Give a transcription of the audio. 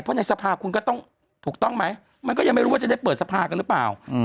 เพราะในสภาคุณก็ต้องถูกต้องไหมมันก็ยังไม่รู้ว่าจะได้เปิดสภากันหรือเปล่า